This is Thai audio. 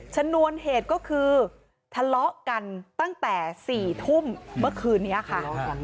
ชนวนเหตุก็คือทะเลาะกันตั้งแต่๔ทุ่มเมื่อคืนนี้ค่ะ